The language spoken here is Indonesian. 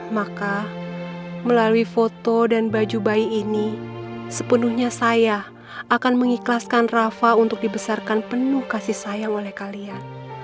maka melalui foto dan baju baju ini sepenuhnya saya akan mengikhlaskan rafa untuk dibesarkan penuh kasih sayang oleh kalian